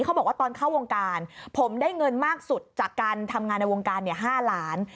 เขาบอกว่าตอนเข้าวงการผมได้เงินมากสุดจากการทำงานในวงการ๕ล้าน